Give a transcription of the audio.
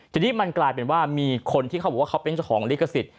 ทีนี้มันกลายเป็นว่ามีคนที่เขาบอกว่าเขาเป็นเจ้าของลิขสิทธิ